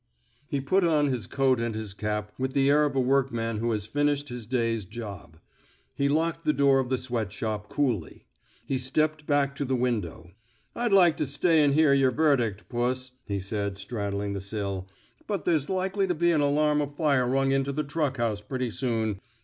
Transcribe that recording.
He put on his coat and his cap with the air of a workman who has finished his day's job." He locked the door of the sweat shop coolly. He stepped back to the win dow. I'd like to stay an' hear yer verdict, puss," he said, straddling the sill, but there's likely to be an alarm of fire rung into the truck house pretty soon.